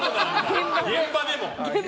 現場でも？